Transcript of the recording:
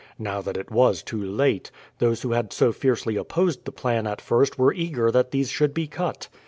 Now that it was too late, those who had so fiercely opposed the plan at first were eager that these should be cut.